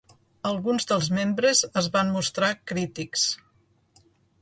Alguns dels membres es van mostrar crítics.